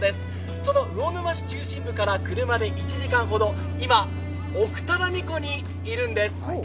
その魚沼市中心部から車で１時間ほど、今、奥只見湖にいるんです。